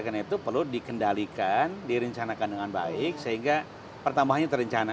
karena itu perlu dikendalikan direncanakan dengan baik sehingga pertambahannya terencana